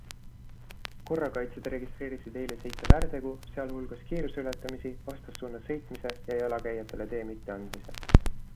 Korrakaitsjad registreerisid eile seitse väärtegu, sealhulgas kiiruseületamisi, vastassuunas sõitmise ja jalakäijatele tee mitteandmise.